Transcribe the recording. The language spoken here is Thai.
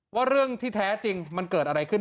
ว่าเรื่องที่แท้จริงมันเกิดอะไรขึ้น